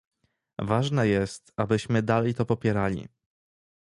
Ważne jest, abyśmy dalej to popierali